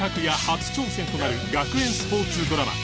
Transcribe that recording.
初挑戦となる学園スポーツドラマ